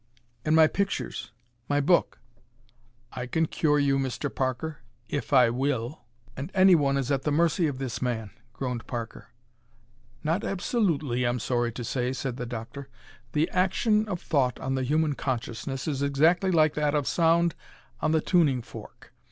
"And my pictures ... my book...." "I can cure you, Mr. Parker. If I will!" "And anyone is at the mercy of this man!" groaned Parker. "Not absolutely, I'm sorry to say," said the doctor. "The action of thought on the human consciousness is exactly like that of sound on the tuning fork.